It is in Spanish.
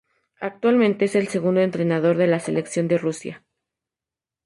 Actualmente es el segundo entrenador de la selección de fútbol de Rusia.